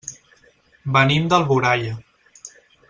Venim d'Alboraia.